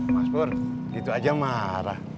mas bur gitu aja marah